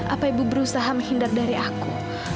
apa ibu berusaha menghindar dari aku